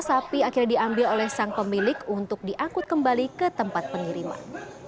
sapi akhirnya diambil oleh sang pemilik untuk diangkut kembali ke tempat pengiriman